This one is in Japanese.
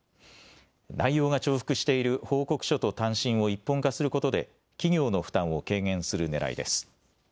内容が重複している報告書と短信を一本化することで企業の負担を軽減するねらいです。